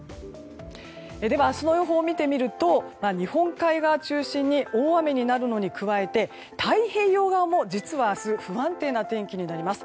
では、明日の予報を見てみると日本海側を中心に大雨になるのに加えて太平洋側も実は明日不安定な天気になります。